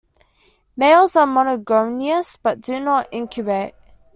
Males are monogynous but do not incubate.